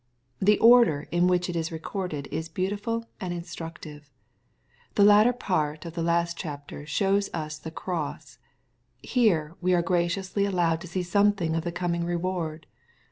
The order in which it is recorded is beautiful and instructive. The latter part of the last chapter shows us the cross Here we are graciously allowed to see something of the coming reward.